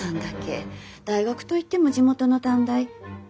大学と言っても地元の短大。